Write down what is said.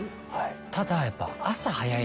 ただやっぱ。